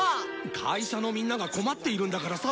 会社のみんなが困っているんだからさ。